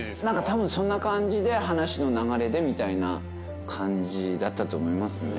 たぶんそんな感じで話の流れでみたいな感じだったと思いますね。